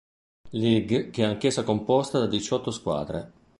Lig, che è anch'essa composta da diciotto squadre.